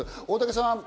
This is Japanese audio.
大竹さん。